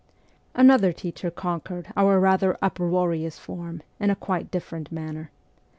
Another teacher conquered our rather uproarious form in a quite different manner.